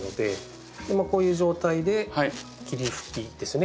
こういう状態で霧吹きですね。